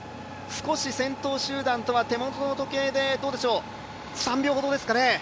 少し先頭集団とは手元の時計で３秒ほどですかね